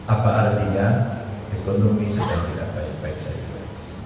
apa artinya ekonomi sedang tidak baik baik saja